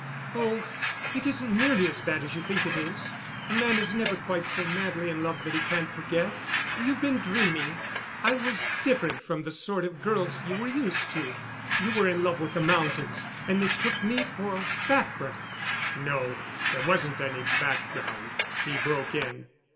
"Oh, it isn't nearly as bad as you think it is. A man is never quite so madly in love that he can't forget. You've been dreaming. I was different from the sort of girls you were used to. You were in love with the mountains, and mistook me for background." "No. There wasn't any background," he broke in.